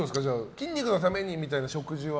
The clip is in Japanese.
筋肉のためみたいな食事は。